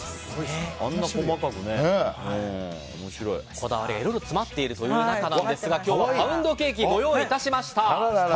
こだわりがいろいろ詰まっているという中今日はパウンドケーキご用意いたしました。